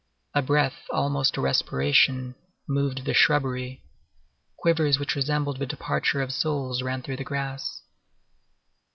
A breath, almost a respiration, moved the shrubbery. Quivers which resembled the departure of souls ran through the grass.